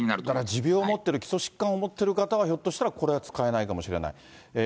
だから持病を持ってる、基礎疾患を持っている方はひょっとしたら、これは使えないかもしれない。